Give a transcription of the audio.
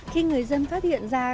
khi người dân phát hiện ra